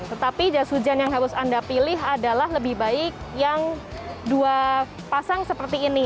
tetapi jas hujan yang harus anda pilih adalah lebih baik yang dua pasang seperti ini